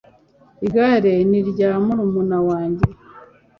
igare ni irya murumuna wanjye